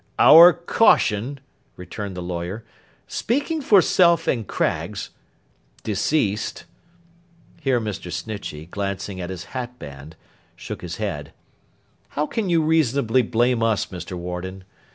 'Our caution!' returned the lawyer, 'speaking for Self and Craggs—deceased,' here Mr. Snitchey, glancing at his hat band, shook his head, 'how can you reasonably blame us, Mr. Warden?